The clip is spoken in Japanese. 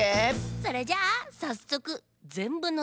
それじゃあさっそく「ぜんぶのせしりとり」！